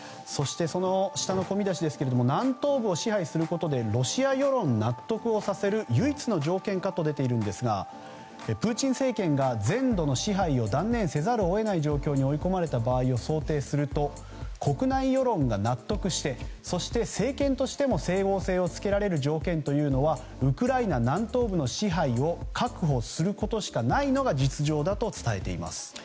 そして、その下の小見出しですが南東部を支配することでロシア世論を納得させる唯一の条件かと出ているんですがプーチン政権が全土の支配を断然せざるを得ない状況に追い込まれた場合を想定すると国内世論が納得してそして政権としても整合性を付けられる条件というのはウクライナ南東部の支配を確保することしかないのが実情だと伝えています。